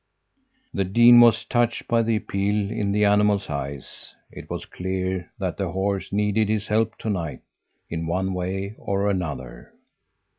"The dean was touched by the appeal in the animal's eyes. It was clear that the horse needed his help to night, in one way or another.